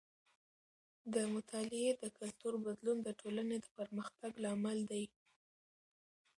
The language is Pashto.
د مطالعې د کلتور بدلون د ټولنې د پرمختګ لامل دی.